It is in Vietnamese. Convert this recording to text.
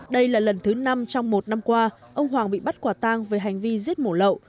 đây là lần thứ năm trong một năm qua ông hoàng bị bắt quả tang về hành vi giết mổ lậu